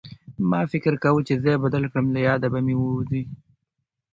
ما فکر کوه چې ځای بدل کړم له ياده به مې ووځي